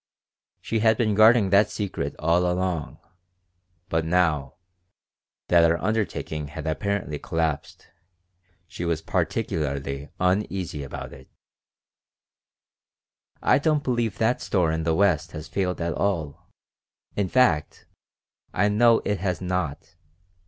She had been guarding that secret all along, but now, that our undertaking had apparently collapsed, she was particularly uneasy about it "I don't believe that store in the West has failed at all. In fact, I know it has not.